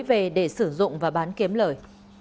về để sử dụng và bán kiếm lời